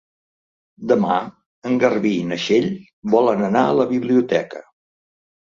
Demà en Garbí i na Txell volen anar a la biblioteca.